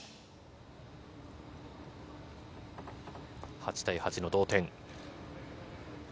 ８対８の同点。